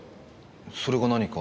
それが何か？